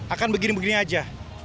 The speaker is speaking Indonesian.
akan begini begini aja